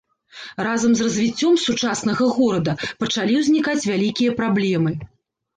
Разам з развіццём сучаснага горада пачалі ўзнікаць вялікія праблемы.